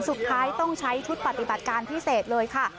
สุดท้ายต้องใช้ชุดปฏิบัติการพิเศษเลยค่ะ